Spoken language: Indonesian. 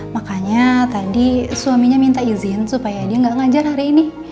makanya tadi suaminya minta izin supaya dia nggak ngajar hari ini